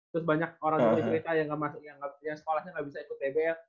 terus banyak orang yang cerita yang sekolahnya gak bisa ikut dbl